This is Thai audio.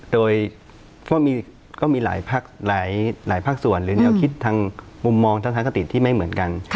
โดยก็มีหลายภาคส่วนหรือแนวคิดทางมุมมองทัศนคติที่ไม่เหมือนกัน